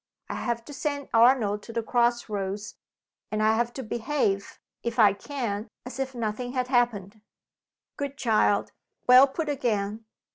"I have to send Arnold to the cross roads. And I have to behave (if I can) as if nothing had happened." "Good child! Well put again!